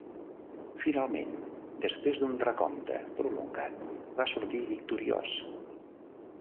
Finalment, després d'un recompte prolongat, va sortir victoriós.